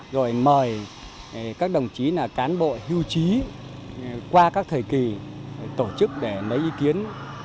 rồi mời các đồng chí cán bộ hưu trí qua các thời kỳ tổ chức để lấy ý kiến